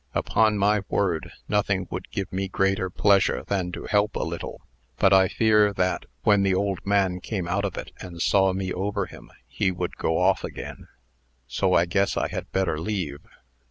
Upon my word, nothing would give me greater pleasure than to help a little; but I fear that, when the old man came out of it, and saw me over him, he would go off again. So I guess I had better leave."